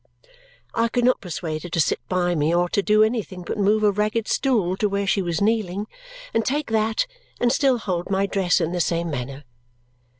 I could not persuade her to sit by me or to do anything but move a ragged stool to where she was kneeling, and take that, and still hold my dress in the same manner.